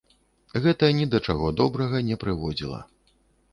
Гэта ні да чаго добрага не прыводзіла.